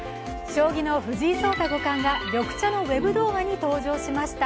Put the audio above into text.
将棋の藤井聡太五冠が緑茶のウェブ動画に投稿しました。